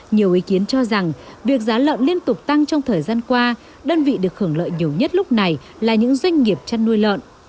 nhiều ý kiến cho rằng việc giá lợn liên tục tăng trong thời gian qua đơn vị được hưởng lợi nhiều nhất lúc này là những doanh nghiệp chăn nuôi lợn